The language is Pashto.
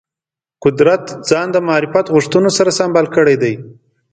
قدرت ځان د معرفت غوښتنو سره سمبال کړی دی